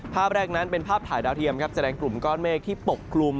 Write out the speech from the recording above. ภาพแรกนั้นเป็นภาพถ่ายดาวเทียมครับแสดงกลุ่มก้อนเมฆที่ปกคลุม